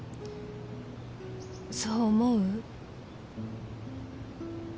そう思う？